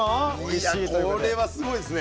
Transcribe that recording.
いやこれはすごいですね。